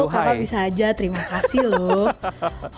kakak bisa aja terima kasih loh